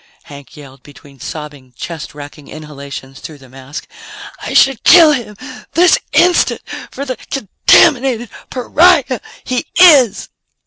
Hank yelled, between sobbing, chest racking inhalations through the mask. "I should kill him this instant for the contaminated pariah he is!"